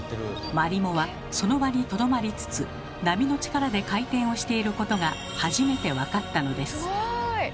マリモはその場にとどまりつつ波の力で回転をしていることが初めて分かったのです。